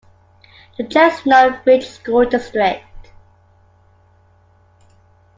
The Chestnut Ridge School District.